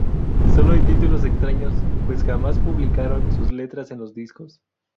Sólo hay títulos extraños, pues jamás publicaron sus letras en los discos.